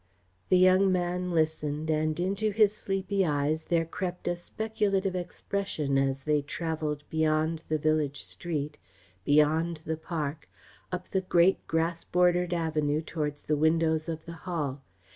The young man listened and into his sleepy eyes there crept a speculative expression as they travelled beyond the village street, beyond the park, up the great grass bordered avenue towards the windows of the Hall.